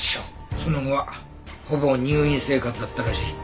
その後はほぼ入院生活だったらしい。